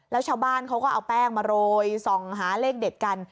แล้วชาวบ้านเขาก็เอาแป้งมาโรยส่องหาเลขเด็ดกัน